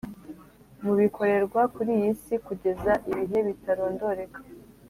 mu bikorerwa kuri iyi si kugeza ibihe bitarondoreka.